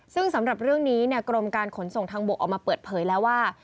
ซึ่งสำหรับเรื่องนี้กรมการขนส่งทางบกออกมาเปิดเผยแล้วว่า